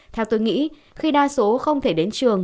theo tôi nghĩ khi đa số không thể đến trường